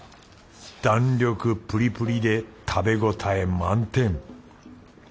弾力プリプリで食べごたえ満点。